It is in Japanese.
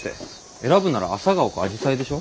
選ぶならアサガオかアジサイでしょ？